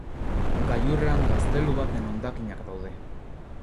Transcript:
Gailurrean gaztelu baten hondakinak daude.